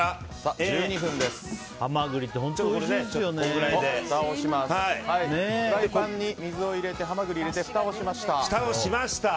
フライパンに水を入れてハマグリを入れてふたをしました。